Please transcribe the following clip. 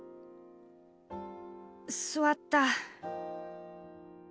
「座った！」。